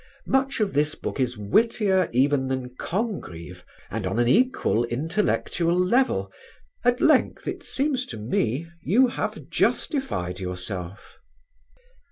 Much of this book is wittier even than Congreve and on an equal intellectual level: at length, it seems to me, you have justified yourself."